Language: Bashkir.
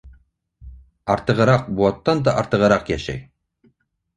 Артығыраҡ, быуаттан да артығыраҡ йәшәй.